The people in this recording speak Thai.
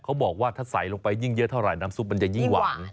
เขาบอกว่าถ้าใส่ลงไปยิ่งเยอะเท่าไหร่น้ำซุปมันจะยิ่งหวาน